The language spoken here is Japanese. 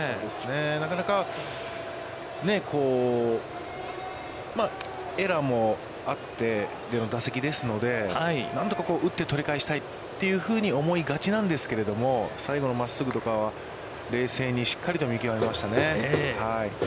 なかなか、エラーもあっての打席ですので、何とか打って取り返したいというふうに思いがちなんですけれども、最後の真っすぐとかは、冷静にしっかりと見極めましたね。